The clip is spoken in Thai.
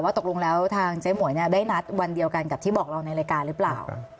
ตกลงแล้วทางเจ๊หมวยได้นัดวันเดียวกันกับที่บอกเราในรายการหรือเปล่า